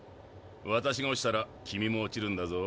私が落ちたら君も落ちるんだぞ。